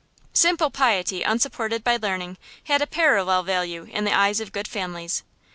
Simple piety unsupported by learning had a parallel value in the eyes of good families.